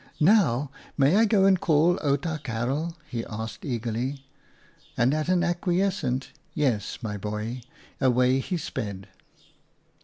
" Now may I go and call Outa Karel ?" he asked eagerly, and at an acquiescent " Yes, my boy," away he sped.